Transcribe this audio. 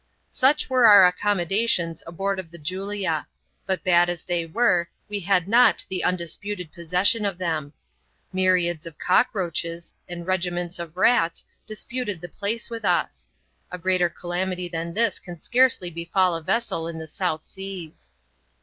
Such were our accommodations aboard of the Julia ; but bad as they were, we had not the undisputed possession of them. Myriads of cockroaches, and regiments of rats, disputed the place with us. A greater calamity than this can scarcely befall a vessel in the South Soas.